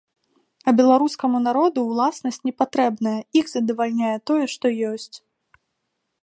А беларускаму народу ўласнасць не патрэбная, іх задавальняе тое, што ёсць.